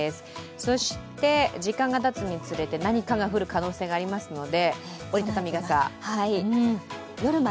そして時間がたつにつれて何かが降る可能性がありますので折り畳み傘。